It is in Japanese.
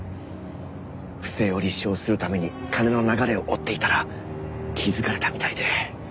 不正を立証するために金の流れを追っていたら気づかれたみたいで。